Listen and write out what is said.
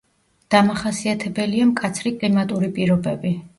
დამახასიათებელია მკაცრი კლიმატური პირობები.